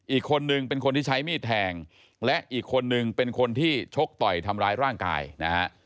อีกคนนึงเป็นคนที่ใช้มีดแทงและอีกคนนึงเป็นคนที่ชกต่อยทำร้ายร่างกายนะฮะ